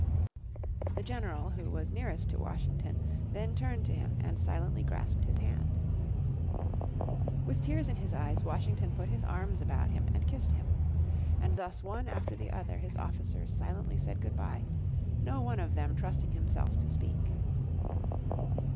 The General who was nearest to Washington then turned to him and silently grasped his hand. With tears in his eyes, Washington put his arms about him and kissed him. And thus one after the other his officers silently said good bye, no one of them trusting himself to speak.